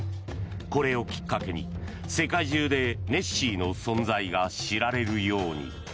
これをきっかけに世界中でネッシーの存在が知られるように。